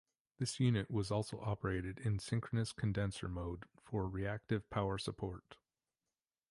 This unit was also operated in synchronous condenser mode for reactive power support.